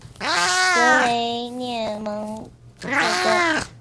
格雷涅蒙特贡。